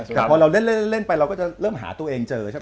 แต่พอเราเล่นไปเราก็จะเริ่มหาตัวเองเจอใช่ไหม